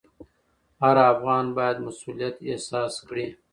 هر افغان باید مسوولیت احساس کړي.